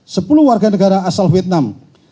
sepuluh warga negara asal vietnam